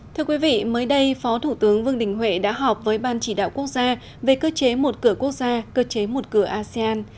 thưa quý vị mới đây phó thủ tướng vương đình huệ đã họp với ban chỉ đạo quốc gia về cơ chế một cửa quốc gia cơ chế một cửa asean